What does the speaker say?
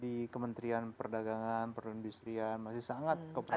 di kementerian perdagangan perindustrian masih sangat kompeten